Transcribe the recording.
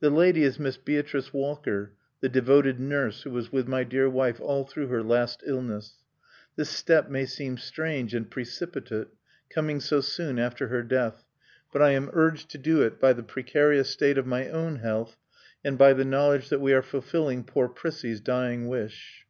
"The lady is Miss Beatrice Walker, the devoted nurse who was with my dear wife all through her last illness. This step may seem strange and precipitate, coming so soon after her death; but I am urged to do it by the precarious state of my own health and by the knowledge that we are fulfilling poor Prissie's dying wish...."